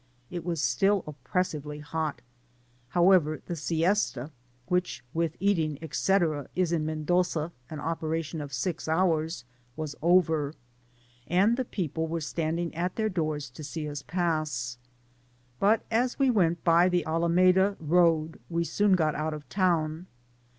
It was still op pressively hot $ however, the siesta^ which with eating, 8fc.^ is in MendoZa an operation of six hours, was over, and the people were standing at their doors to see us pass ; but as we went by the Alameda road, we soon got out of the town.